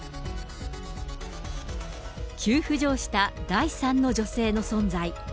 急浮上した第３の女性の存在。